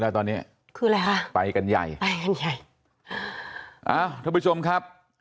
แล้วตอนเนี้ยคืออะไรฮะไปกันใหญ่ไปกันใหญ่อ้าวท่านผู้ชมครับ